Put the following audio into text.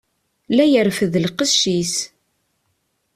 La yerfed lqec-is.